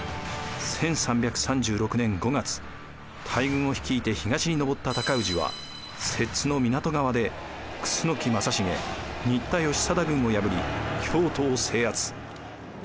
１３３６年５月大軍を率いて東に上った尊氏は摂津の湊川で楠木正成新田義貞軍を破り京都を制圧。